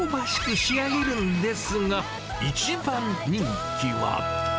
仕上げるんですが、一番人気は。